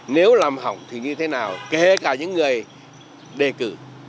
nếu làm hỏng thì như thế nào kể cả những người đề cử